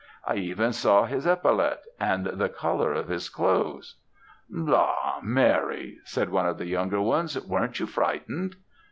I even saw his epaulette and the colour of his clothes.' "'La! Mary,' said one of the younger ones, 'weren't you frightened?'